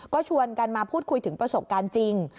ก็ชวนกันมาพูดคุยถึงประสบการณ์จริง